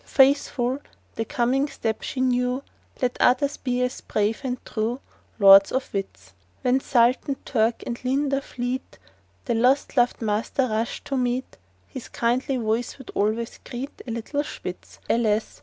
Faithful the coming step she knew Let others be as brave and true— Lords or Wits! When SULTAN, TURK, and LINDA fleet The lost lov'd Master rushed to meet, His kindly voice would always greet The little Spitz! Alas!